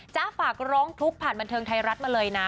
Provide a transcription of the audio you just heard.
ฝากร้องทุกข์ผ่านบันเทิงไทยรัฐมาเลยนะ